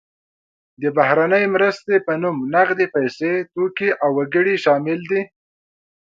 د بهرنۍ مرستې په نوم نغدې پیسې، توکي او وګړي شامل دي.